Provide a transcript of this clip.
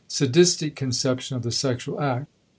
*Sadistic Conception of the Sexual Act.